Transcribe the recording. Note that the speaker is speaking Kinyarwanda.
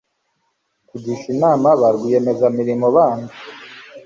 Kugisha inama ba rwiyemezamirimo bandi